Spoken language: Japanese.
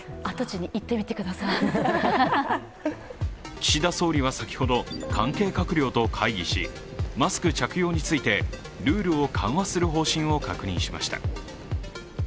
岸田総理は先ほど、関係閣僚と会議しマスク着用についてルールを緩和する方針を確認しました。